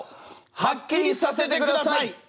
はっきりさせてください！